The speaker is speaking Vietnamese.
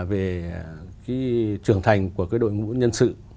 về trưởng thành của đội ngũ nhân sự